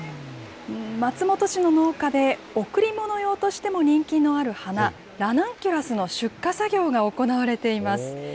松本市の農家で、贈り物用としても人気のある花、ラナンキュラスの出荷作業が行われています。